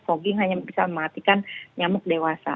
fogging hanya bisa mematikan nyamuk dewasa